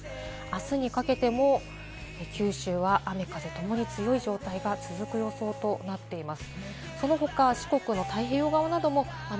あすにかけても九州は雨風ともに強い状態が続く予想となっています。